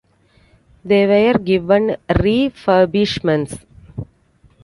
They were given refurbishments.